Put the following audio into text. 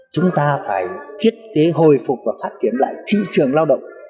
chúng ta phải thiết kế hồi phục và phát triển lại thị trường lao động